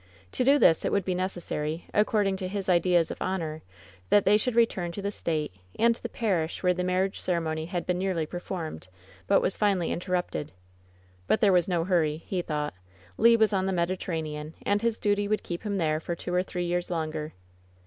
To do this it would be necessary, according to his ideas of honor, that they should return to the state and the parish where the marriage ceremony had been nearly performed, but was finally interrupted. But there was no hurry, he thought. Le was on the Mediterranean, and his duty would keep him there for two or three years longer.